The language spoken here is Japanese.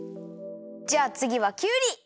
じゃあつぎはきゅうり！